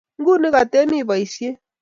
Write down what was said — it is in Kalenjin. Nguni katemi boisiet?